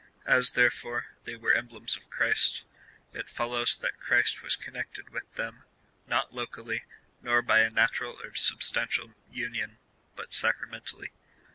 As, therefore, they were emblems of Christ, it follows, that Christ was connected with them, not locally, nor by a natural or substantial union, but sacramentally.